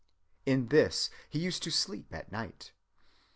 In this he used to sleep at night.